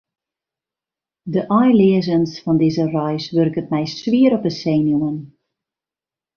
De einleazens fan dizze reis wurket my swier op 'e senuwen.